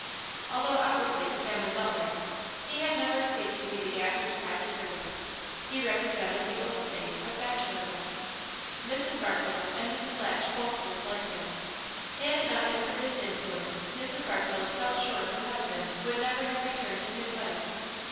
Although outwardly the family butler, he had never ceased to be the Gaffer's private servant; he represented the old days of bachelorhood. Mrs. Barfield and Mrs. Latch both disliked him. Had it not been for his influence Mrs. Barfield felt sure her husband would never have returned to his vice.